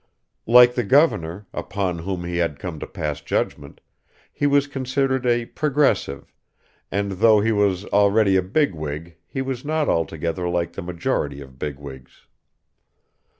Like the governor, upon whom he had come to pass judgment, he was considered a "progressive," and though he was already a bigwig he was not altogether like the majority of bigwigs.